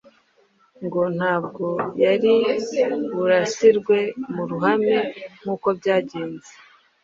ngo ntabwo yari burasirwe mu ruhame nkuko byagenze